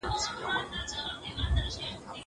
ډېر کلونه ورځي شپې دي